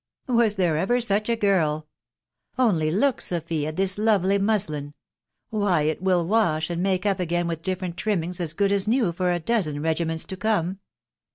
<c Was there ever such a girl !... Only look, Sophy, at this tardy muslin I Why, it will wash, and make up again with different trimmings as good as new for a dosen regiments to come